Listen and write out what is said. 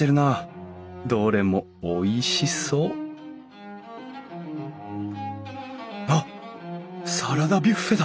どれもおいしそうあっサラダビュッフェだ！